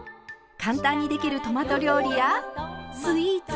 簡単にできるトマト料理やスイーツ。